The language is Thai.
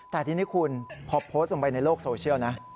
แต่ทีนี้คุณพอโพสต์ลงไปในโลกโซเชียลนะ